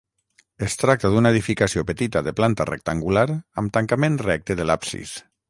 Es tracta d'una edificació petita de planta rectangular, amb tancament recte de l'absis.